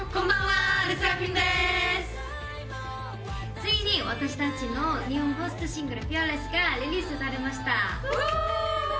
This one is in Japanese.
ついに私たちの日本ファーストシングル『ＦＥＡＲＬＥＳＳ』がリリースされました。